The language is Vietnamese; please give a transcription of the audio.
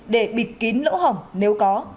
để bịt kín lỗ hỏng nếu có